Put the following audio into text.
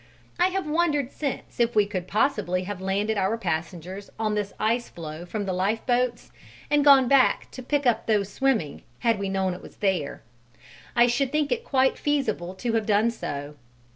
I have wondered since if we could possibly have landed our passengers on this ice floe from the lifeboats and gone back to pick up those swimming, had we known it was there; I should think it quite feasible to have done so.